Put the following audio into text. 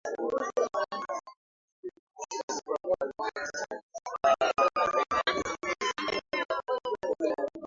Wanajeshi kumi na mmoja wa Burkina Faso wameuawa na washambuliaji wenye silaha